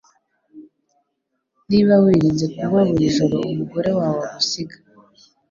Niba wirinze kunywa buri joro umugore wawe agusiga